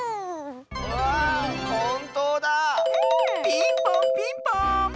ピンポンピンポーン！